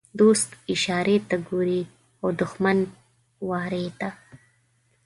دوست اشارې ته ګوري او دښمن وارې ته.